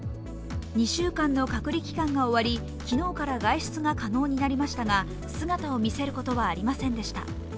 ２週間の隔離期間が終わり、昨日から外出が可能になりましたが姿を見せることはありませんでした。